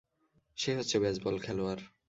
সে হচ্ছে বেসবল খেলোয়াড়।